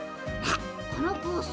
このコース。